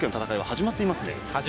始まってますね。